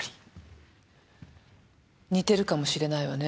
似てるかもしれないわね。